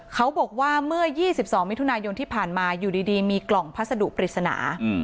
เขาบอกว่าเมื่อ๒๒มิถุนายนที่ผ่านมาอยู่ดีมีกล่องพัสดุปริศนา